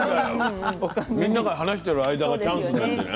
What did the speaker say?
みんなが話してる間がチャンスだしね。